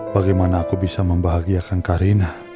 bagaimana aku bisa membahagiakan karina